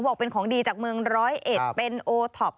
บอกเป็นของดีจากเมืองร้อยเอ็ดเป็นโอท็อป